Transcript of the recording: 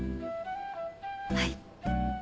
はい。